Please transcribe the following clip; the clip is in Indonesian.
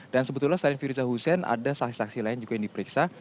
dan sebetulnya selain firza husein ada saksi saksi lain juga yang diperiksa